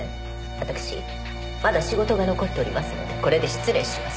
わたくしまだ仕事が残っておりますのでこれで失礼します。